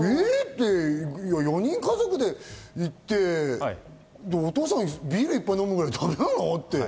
４人家族で行ってお父さんがビール１杯飲むぐらいだめなのって。